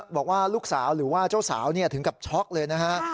บอกว่าลูกสาวหรือว่าเจ้าสาวถึงกับช็อกเลยนะฮะ